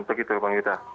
begitu bang yuda